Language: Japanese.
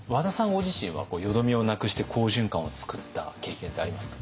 ご自身は淀みをなくして好循環をつくった経験ってありますか？